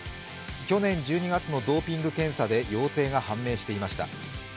去年１２月のドーピング検査で陽性が判明していました。